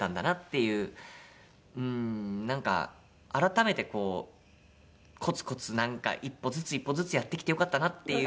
うんなんか改めてこうコツコツなんか一歩ずつ一歩ずつやってきてよかったなっていう。